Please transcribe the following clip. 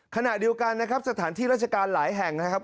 ขณะเดียวกันนะครับสถานที่ราชการหลายแห่งนะครับ